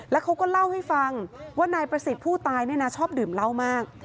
แล้วเขาก็เล่าให้ฟังว่านายประสิทธิ์ผู้ตายเนี่ยนะชอบดื่มเหล้ามาก